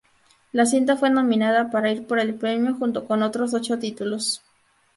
La cinta fue nominada para ir por el premio junto con otros ocho títulos.